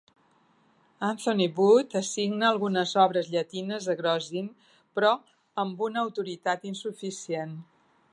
Anthony Wood assigna algunes obres llatines a Grocyn, però amb una autoritat insuficient.